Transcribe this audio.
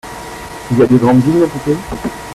Il y a de grandes villes dans ton pays ?